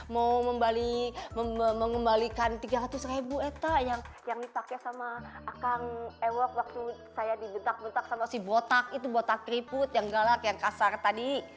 mau mengembalikan tiga ratus ribu eta yang dipakai sama akang ewok waktu saya dibentak bentak sama si botak itu botak keriput yang galak yang kasar tadi